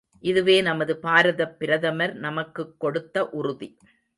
இதுவே நமது பாரதப் பிரதமர் நமக்குக் கொடுத்த உறுதி.